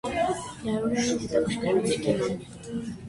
Լաուրային հետաքրքրում էր կինոն։